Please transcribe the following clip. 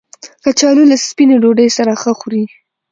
کچالو له سپینې ډوډۍ سره ښه خوري